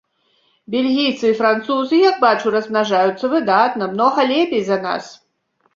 Бельгійцы і французы, як бачу, размнажаюцца выдатна, многа лепей за нас.